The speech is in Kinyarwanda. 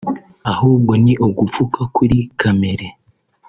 ahubwo ni ugupfa kuri kamere